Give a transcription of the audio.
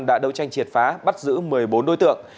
đã đấu tranh triệt phá bắt giữ một mươi bốn đối tượng